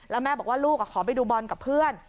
แล้วแม่บอกว่าลูกขอไปดูบอลกับเพื่อน